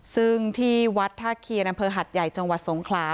ซึ่งที่วัดท่าเคียนอำเภอหัดใหญ่จังหวัดสงขลา